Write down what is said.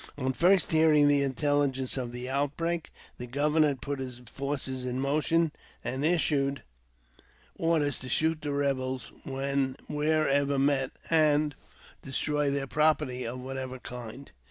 On first hearing the intelligence of the outbreak, the governor had put his forces in motion, and issued orders to shoot the rebels wherever met, and destroy their property of whatever kind.